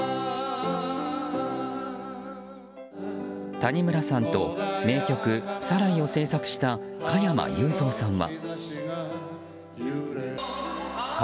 谷村さんと、名曲「サライ」を制作した加山雄三さんは。